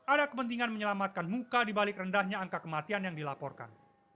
ada kepentingan menyelamatkan muka dibalik rendahnya angka kematian yang dilaporkan